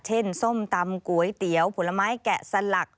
ส้มตำก๋วยเตี๋ยวผลไม้แกะสลัก